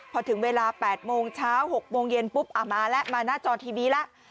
พอถึงเวลา๘โมงเช้า๖โมงเย็นปุ๊บมาแล้วมาหน้าจอทีวีแล้ว